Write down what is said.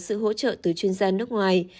sự hỗ trợ từ chuyên gia nước ngoài